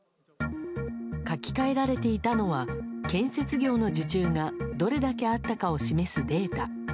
書き換えられていたのは建設業の受注がどれだけあったかを示すデータ。